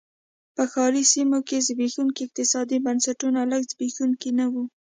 په ښاري سیمو کې زبېښونکي اقتصادي بنسټونه لږ زبېښونکي نه و.